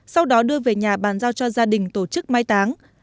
sau đó đưa về nhà bàn giao cho gia đình tổ chức mai táng